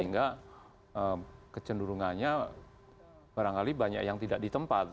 sehingga kecenderungannya barangkali banyak yang tidak di tempat